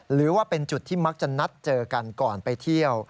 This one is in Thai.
หรือว่าเป็นจุดที่มักจะนัดเจอกันก่อนไปเที่ยว